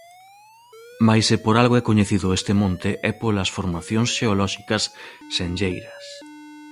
Mais se por algo é coñecido este monte é polas formación xeolóxicas senlleiras.